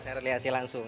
iya dari aceh langsung